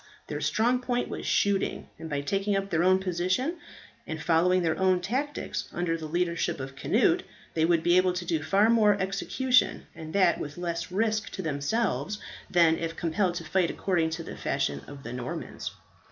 Their strong point was shooting; and by taking up their own position, and following their own tactics, under the leadership of Cnut, they would be able to do far more execution, and that with less risk to themselves, than if compelled to fight according to the fashion of the Normans.